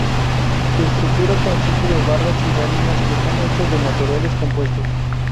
Su estructura consiste de barras y láminas que están hechas de materiales compuestos.